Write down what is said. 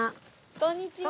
こんにちは。